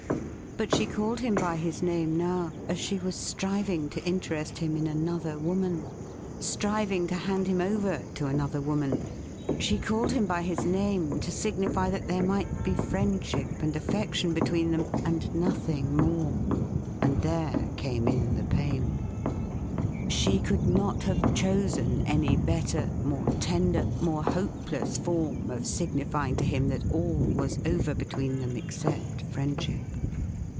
But she called him by his name now as she was striving to interest him in another *I COULD HAVE LOVED YOU' 109 woman — striving to hand him over to another woman — she called him by his name to signify that there might be friendship and affection between them, and nothing more — and there came in the pain. She could not have chosen any better, more tender, more hopeless form of signifying to him that all was over between them except friendship.